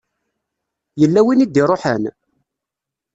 Yella win i d-iṛuḥen?